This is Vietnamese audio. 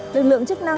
lực lượng chức năng